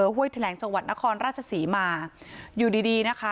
อำเภอฮ่วยแถลงจังหวัดนครราชศรีมาอยู่ดีนะคะ